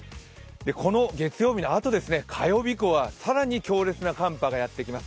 月曜日のあと、火曜日以降は更に強烈な寒波がやってきます。